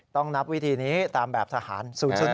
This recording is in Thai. ต้องนับวิธีนี้ตามแบบทหาร๐๕